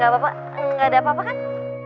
gak apa apa enggak ada apa apa kan